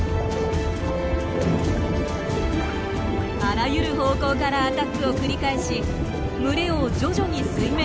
あらゆる方向からアタックを繰り返し群れを徐々に水面へと追い詰めます。